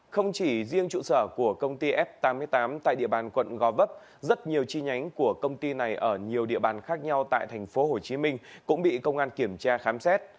không chỉ riêng trụ sở của công ty f tám mươi tám tại địa bàn quận gò vấp rất nhiều chi nhánh của công ty này ở nhiều địa bàn khác nhau tại tp hcm cũng bị công an kiểm tra khám xét